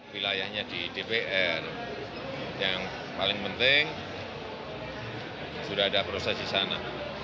wilayahnya di dpr yang paling penting sudah ada proses di sana